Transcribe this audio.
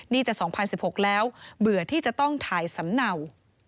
นี่จะ๒๐๑๖แล้วเบื่อที่จะต้องถ่ายสำเนา